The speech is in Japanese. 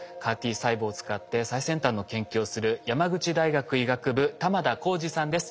ＣＡＲ−Ｔ細胞を使って最先端の研究をする山口大学医学部玉田耕治さんです。